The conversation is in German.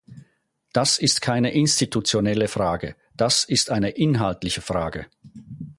Das ist keine institutionelle Frage, das ist eine inhaltliche Frage.